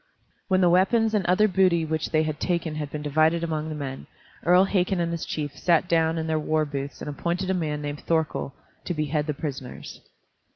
When the weapons and other booty which they had taken had been divided among the men, Earl Hakon and his chiefs sat down in their warbooths and appointed a man named Thorkel to behead the prisoners.